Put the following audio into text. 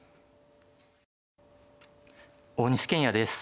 大西研也です。